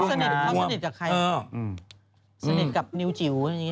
สนิทกับนิ้วจิ๋ว